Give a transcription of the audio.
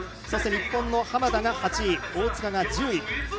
そして日本の浜田が８位大塚が１０位。